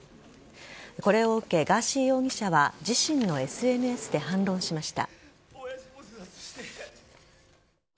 これを受け、ガーシー容疑者は自身のＳＮＳで反論しました。